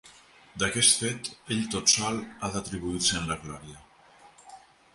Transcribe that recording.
D'aquest fet, ell tot sol ha d'atribuir-se'n la glòria.